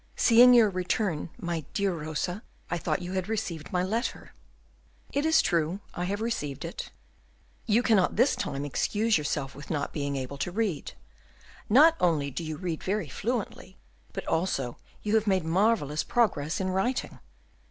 Seeing your return, my dear Rosa, I thought you had received my letter." "It is true; I have received it." "You cannot this time excuse yourself with not being able to read. Not only do you read very fluently, but also you have made marvellous progress in writing."